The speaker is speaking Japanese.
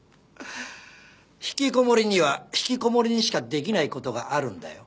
ひきこもりにはひきこもりにしかできない事があるんだよ。